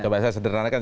coba saya sederhanakan